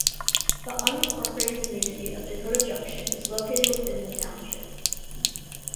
The unincorporated community of Dakota Junction is located within the township.